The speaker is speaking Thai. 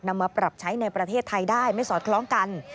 มาปรับใช้ในประเทศไทยได้ไม่สอดคล้องกัน